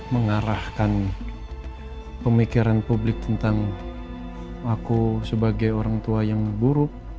mengarahkan pemikiran publik tentang aku sebagai orang tua yang buruk